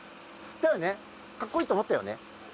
だよね、かっこいいと思ったよね。